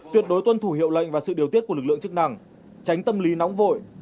tuyệt đối tuân thủ hiệu lệnh và sự điều tiết của lực lượng chức năng tránh tâm lý nóng vội